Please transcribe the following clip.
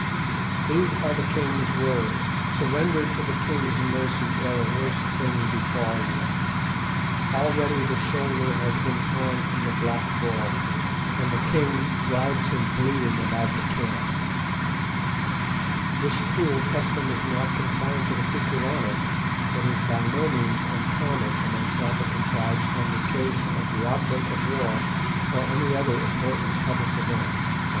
"These are the king's words. Surrender to the king's mercy ere a worse thing befall you. Already the shoulder has been torn from the black bull, and the king drives him bleeding about the camp." This cruel custom is not confined to the Kukuanas, but is by no means uncommon amongst African tribes on the occasion of the outbreak of war or any other important public event.—A.